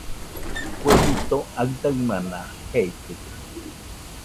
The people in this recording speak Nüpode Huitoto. Kue jito aɨdaɨmana jeikɨga